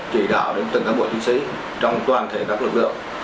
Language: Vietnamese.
chỉ đạo đến từng cán bộ chiến sĩ trong toàn thể các lực lượng